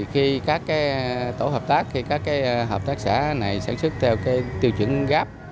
khi các tổ hợp tác các hợp tác xã này sản xuất theo tiêu chuẩn gáp